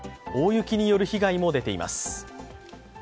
大雪による被害も出ています。